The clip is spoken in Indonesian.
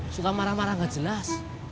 suka marah marah nggak jelas